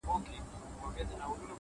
صبر د هیلو ساتونکی دی,